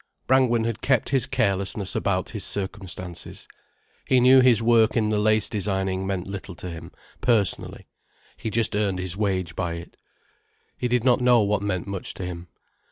Brangwen had kept his carelessness about his circumstances. He knew his work in the lace designing meant little to him personally, he just earned his wage by it. He did not know what meant much to him.